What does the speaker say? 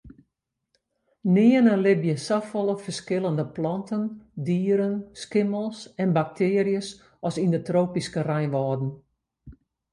Nearne libje safolle ferskillende planten, dieren, skimmels en baktearjes as yn de tropyske reinwâlden.